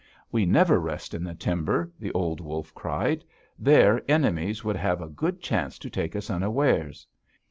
"'We never rest in the timber,' the old wolf replied. 'There enemies would have a good chance to take us unawares.